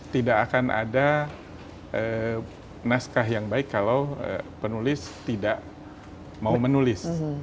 tidak akan ada naskah yang baik kalau penulis tidak mau menulis